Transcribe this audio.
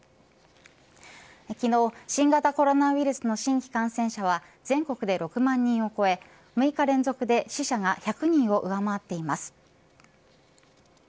昨日、新型コロナウイルスの新規感染者は全国で６万を超え６日連続で死者が１００人を上回っています。